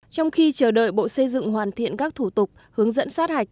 trong khi chờ đợi bộ xây dựng hoàn thiện các thủ tục hướng dẫn sát hạch